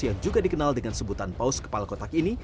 yang juga dikenal dengan sebutan paus kepala kotak ini